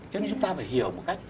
cho nên chúng ta phải hiểu một cách